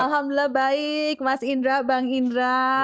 alhamdulillah baik mas indra bang indra